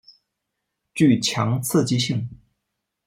具强刺激性。